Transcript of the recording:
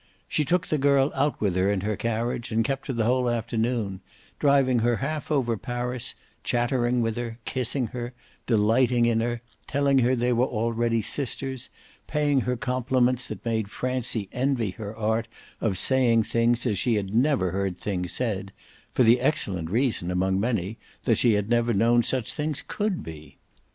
She took the girl out with her in her carriage and kept her the whole afternoon, driving her half over Paris, chattering with her, kissing her, delighting in her, telling her they were already sisters, paying her compliments that made Francie envy her art of saying things as she had never heard things said for the excellent reason, among many, that she had never known such things COULD be.